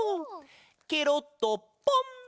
ケロッとポン！